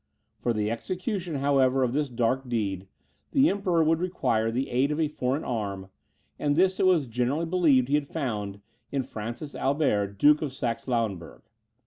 For the execution, however, of this dark deed, the Emperor would require the aid of a foreign arm, and this it was generally believed he had found in Francis Albert, Duke of Saxe Lauenburg.